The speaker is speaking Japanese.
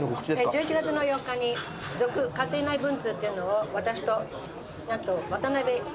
１１月の４日に『続・家庭内文通』っていうのを私と何と渡辺裕太と。